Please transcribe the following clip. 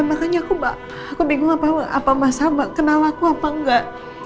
makanya aku bingung apa masa kenal aku apa enggak